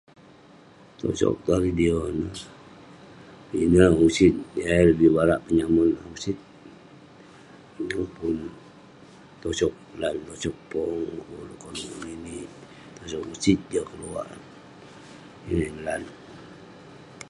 Tosog tong radio ineh, pinek usit. Yah ireh bi barak penyamon, usit. Yeng pun tosog lan, tosog pong. Yeng ulouk koluk ngeninik, usit jah keluak. yeng eh lan.